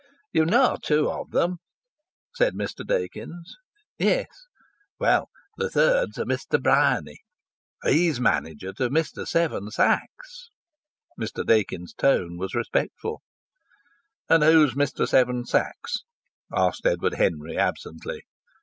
"You know two of them?" said Mr. Dakins. "Yes." "Well, the third's a Mr. Bryany. He's manager to Mr. Seven Sachs." Mr. Dakins' tone was respectful. "And who's Mr. Seven Sachs?" asked Edward Henry, absently.